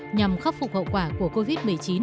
nhằm khắc phục hậu quả của covid một mươi chín